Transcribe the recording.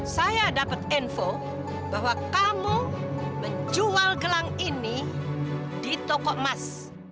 saya dapat info bahwa kamu menjual gelang ini di toko emas